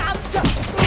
ya saya mau